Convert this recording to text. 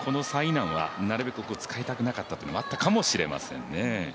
楠はなるべく使いたくなかったというのもあったかもしれません。